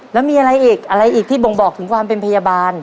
แล้วมีอะไรอีกอะไรอีกที่บ่งบอกถึงความเป็นพยาบาล